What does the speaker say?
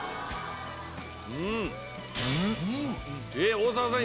大沢さん